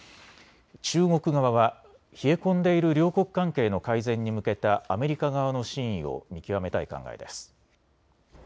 中国側は冷え込んでいる両国関係の改善に向けたアメリカ側の真意を見極めたい考えです。